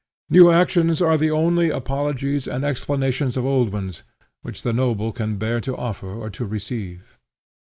New actions are the only apologies and explanations of old ones which the noble can bear to offer or to receive.